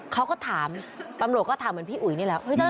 เขาก็ถามปรับประโยชน์ก็ถามเหมือนพี่อุ๋ยนี่แล้ว